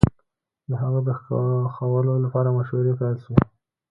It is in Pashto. د هغه د ښخولو لپاره مشورې پيل سوې